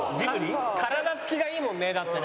体つきがいいもんねだってね。